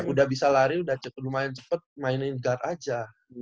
udah bisa lari udah lumayan cepet mainin guard aja